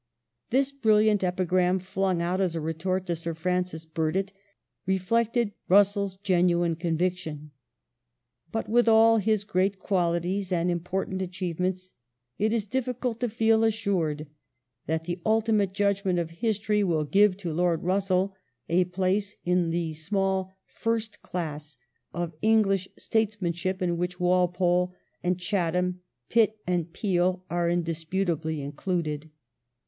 This brilliant epigram, flung out as a retort to Sir Francis Burdett, re flected RusselFs genuine conviction. But with all his great qualities and important achievements it is difficult to feel assured that the ultimate judgment of history will give to Lord Russell a place in the small " first class " of English statesmanship in which Walpole and Chatham, Pitt and Peel are indisputably included.